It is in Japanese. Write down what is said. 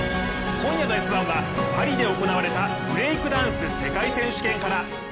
今夜の「Ｓ☆１」はパリで行われたブレークダンス世界選手権から。